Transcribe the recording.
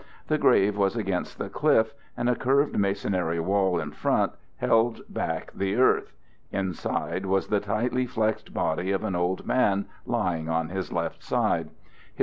The grave was against the cliff, and a curved masonry wall in front held back the earth. Inside was the tightly flexed body of an old man lying on his left side.